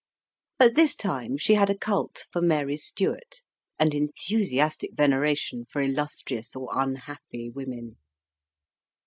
At this time she had a cult for Mary Stuart and enthusiastic veneration for illustrious or unhappy women.